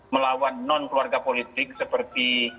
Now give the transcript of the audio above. melawan non keluarga politik seperti